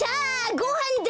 ごはんだ！